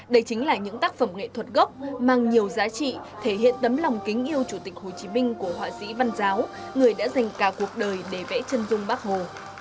đây chính là những tác phẩm nghệ thuật gốc mang nhiều giá trị thể hiện tấm lòng kính yêu chủ tịch hồ chí minh của họa sĩ văn giáo người đã dành cả cuộc đời để vẽ chân dung bác hồ